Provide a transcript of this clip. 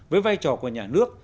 với vai trò của nhà nước